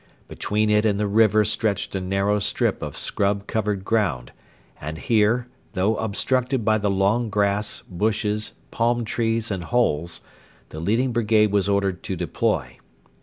Between it and the river stretched a narrow strip of scrub covered ground; and here, though obstructed by the long grass, bushes, palm trees, and holes, the leading brigade was ordered to deploy.